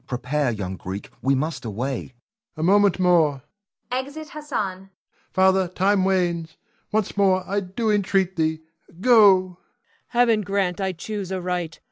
Prepare, young Greek; we must away. Ion. A moment more. [Exit Hassan.] Father, time wanes. Once more I do entreat thee, go! Cleon. Heaven grant I choose aright!